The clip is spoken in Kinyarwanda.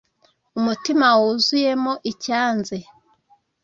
Umutima wuzuyemo icyanze